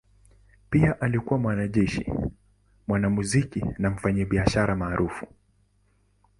Pia alikuwa mwanajeshi, mwanamuziki na mfanyabiashara maarufu.